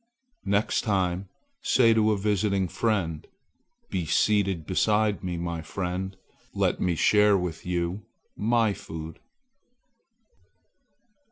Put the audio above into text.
"Next time, say to a visiting friend, 'Be seated beside me, my friend. Let me share with you my food.'"